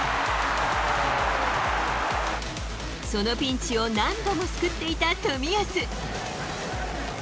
そのピンチを何度も救っていた冨安。